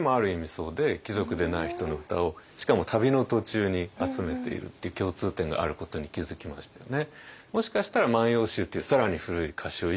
そうで貴族でない人の歌をしかも旅の途中に集めているっていう共通点があることに気付きましてね。